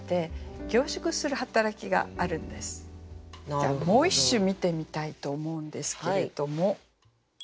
じゃあもう一首見てみたいと思うんですけれども。